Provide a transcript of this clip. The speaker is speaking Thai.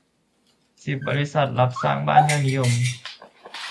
สิบ บริษัทรับสร้างบ้านยอดนิยม